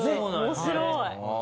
面白い！